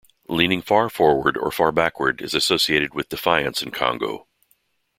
Leaning far forward or far backward is associated with defiance in Kongo.